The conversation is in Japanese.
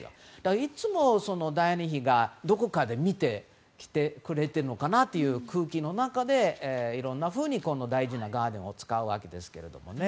いつもダイアナ妃がどこかで見てくれているのかなという空気の中でいろんなふうに大事なガーデンを使うわけです。